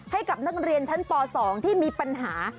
ให้กับนักเรียนชั้นป๒ที่มีปัญหา